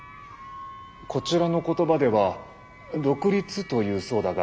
こちらの言葉では独立というそうだが。